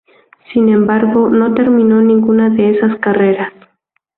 Sin embargo, no terminó ninguna de esas carreras.